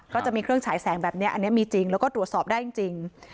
ก็จะมีเครื่องฉายแสงแบบนี้อันนี้มีจริงแล้วก็ตรวจสอบได้จริง